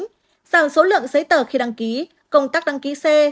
giảm số lượng giấy tờ khi đăng ký công tác đăng ký xe